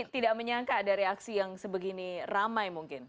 tidak menyangka ada reaksi yang sebegini ramai mungkin